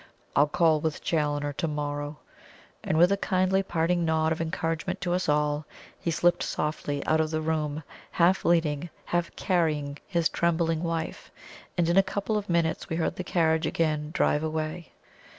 I'll call with Challoner to morrow;" and with a kindly parting nod of encouragement to us all, he slipped softly out of the room, half leading, half carrying his trembling wife; and in a couple of minutes we heard the carriage again drive away.